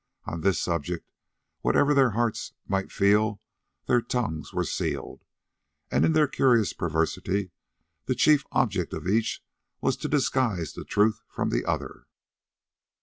On this subject, whatever their hearts might feel, their tongues were sealed, and in their curious perversity the chief object of each was to disguise the truth from the other.